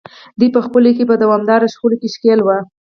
دوی په خپلو کې په دوامداره شخړو کې ښکېل وو.